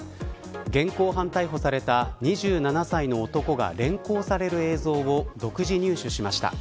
現行犯逮捕された２７歳の男が連行される映像を独自入手しました。